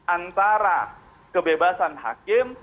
antara kebebasan hakim